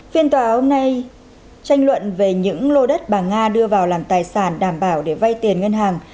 phiên tòa hôm nay tranh luận về những lô đất bà nga đưa vào làm tài sản đảm bảo để vay tiền ngân hàng